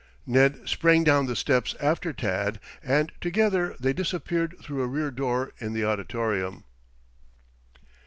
Ned sprang down the steps after Tad and together they disappeared through a rear door in the auditorium.